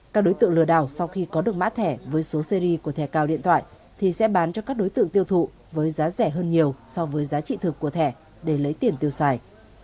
các đối tượng lừa đảo sau khi có được mã thẻ với số series của thẻ cao điện thoại thì sẽ bán cho các đối tượng tiêu thụ với giá rẻ hơn nhiều so với giá trị thực của thẻ để lấy tiền tiêu xài